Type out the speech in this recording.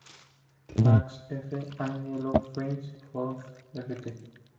Mark F. Angelo, Freaky Fortune ft.